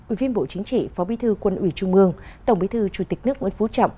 ubnd phó bí thư quân ủy trung ương tổng bí thư chủ tịch nước nguyễn phú trọng